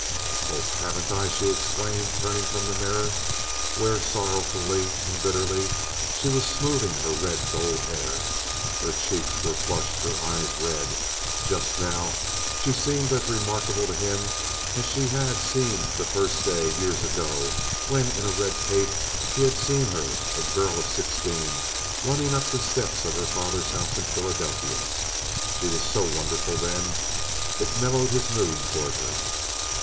"Oh, haven't I?" she exclaimed, turning from the mirror, where, sorrowfully and bitterly, she was smoothing her red gold hair. Her cheeks were flushed, her eyes red. Just now she seemed as remarkable to him as she had seemed that first day, years ago, when in a red cape he had seen her, a girl of sixteen, running up the steps of her father's house in Philadelphia. She was so wonderful then. It mellowed his mood toward her.